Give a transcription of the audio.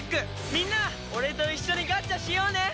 みんな俺と一緒にガッチャしようね！